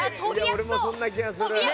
俺もそんな気がする。